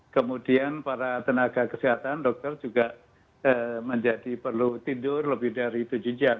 kemudian para tenaga kesehatan dokter juga menjadi perlu tidur lebih dari tujuh jam